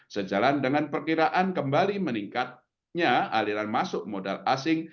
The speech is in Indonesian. sejalan dengan perkiraan kembali meningkatnya aliran masuk modal asing